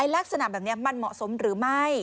ลักษณะแบบนี้มันเหมาะสมหรือไม่